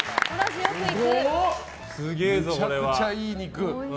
めちゃくちゃいい肉。